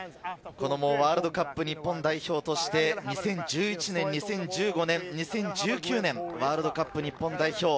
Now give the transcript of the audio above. ワールドカップ日本代表として、２０１１年、２０１５年、２０１９年、ワールドカップ日本代表。